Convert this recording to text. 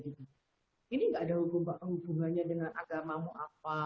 ini nggak ada hubungannya dengan agamamu apa